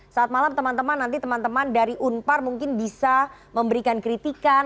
saat malam teman teman nanti teman teman dari unpar mungkin bisa memberikan kritikan